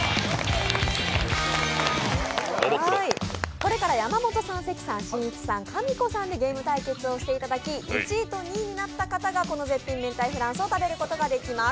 これから山本さん、関さん、しんいちさん、かみこさんでゲーム対決をしていただき１位と２位になった方が絶品めんたいフランスを食べることができます。